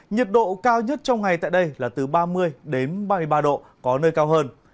nhiệt độ cao nhất trong ngày tại đây là từ ba mươi ba mươi ba độ có nơi cao hơn